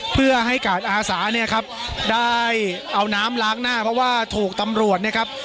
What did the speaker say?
เพื่อให้กาดอาสาเนี่ยครับได้เอาน้ำล้างหน้าเพราะว่าถูกตำรวจนะครับ